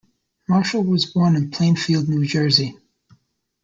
Marshall was born in Plainfield, New Jersey.